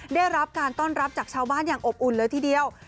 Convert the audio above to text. ได้รับการต้อนรับจากชาวบ้านอย่างอบอุ่นเลยทีเดียว